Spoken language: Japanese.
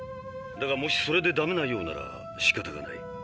だがもしそれでダメなようならしかたがない。